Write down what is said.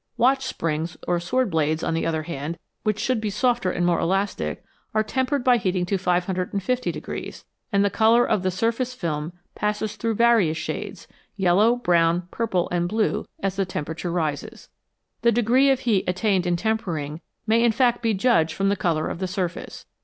Watch springs or sword blades, on the other hand, which should be softer and more elastic, are tempered by heating to 550, and the colour of the surface film passes through various shades yellow, brown, purple, and blue as the temperature rises. The degree of heat attained in tempering may in fact be judged from the colour of the surface.